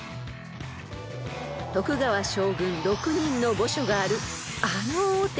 ［徳川将軍６人の墓所があるあのお寺］